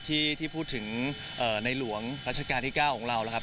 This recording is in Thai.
ที่พูดถึงในหลวงรัชกาลที่๙ของเรานะครับ